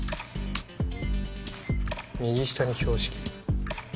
右下に標識。